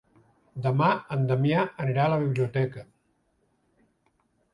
Demà en Damià anirà a la biblioteca.